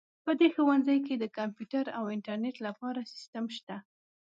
په دې ښوونځي کې د کمپیوټر او انټرنیټ لپاره سیسټم شته